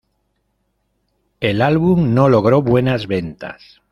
El álbum no logró buenas ventas.